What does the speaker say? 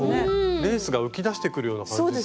レースが浮き出してくるような感じするんですね。